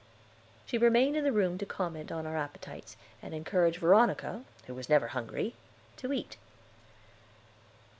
She remained in the room to comment on our appetites, and encourage Veronica, who was never hungry, to eat.